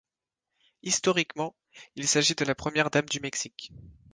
Historiquement, il s'agit de la Première dame du Mexique.